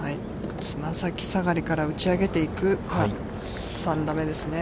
つま先下がりから打ち上げていく３打目ですね。